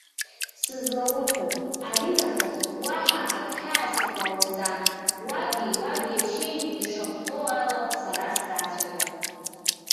Сызлауҳәо, аринахыс уаҳа ак хьаас иҟоумҵан, уаби уаб иашьеи ишахәҭоу ала сара срацәажәап.